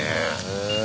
へえ。